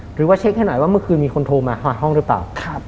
หรือว่าเช็คให้หน่อยว่าเมื่อคืนมีคนโทรมาหาห้องหรือเปล่า